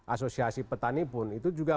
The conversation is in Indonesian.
asosiasi petani pun itu juga